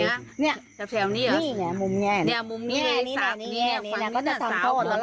มุมไหนอะจากแถวนี้เหรอมุมแง่นี้สาวนี้แหละ